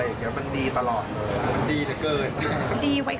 แต่พอใกล้ก็เริ่มรู้สึกว่ามามาก็ได้มาก็ได้